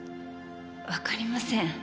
わかりません。